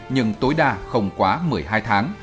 nhưng tối đa không quá một mươi hai tháng